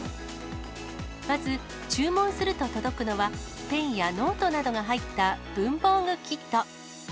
まず注文すると届くのは、ペンやノートなどが入った文房具キット。